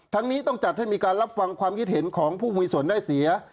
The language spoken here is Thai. นี้ต้องจัดให้มีการรับฟังความคิดเห็นของผู้มีส่วนได้เสีย